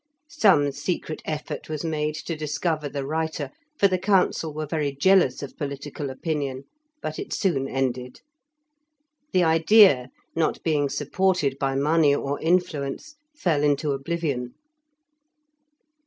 Some secret effort was made to discover the writer, for the council were very jealous of political opinion, but it soon ended. The idea, not being supported by money or influence, fell into oblivion.